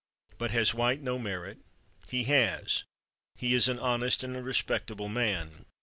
But has White no merit? He has. He is an honest and a respectable man.